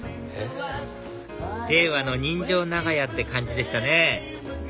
令和の人情長屋って感じでしたね